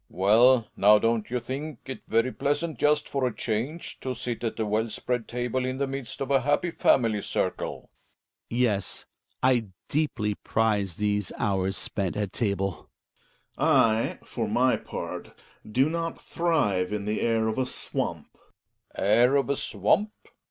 Well, now, don't you think it very pleasant, just for a change, to sit at a well spread table in the midst of a happy family circle ? Hjalmar. Yes, I deeply prize these hours spent at table. Gregers. I, for m y part, do not thrive in the air of a swamp. J Relling. Air of a swamp